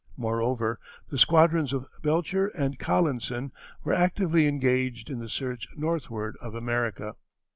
Moreover, the squadrons of Belcher and Collinson were actively engaged in the search northward of America.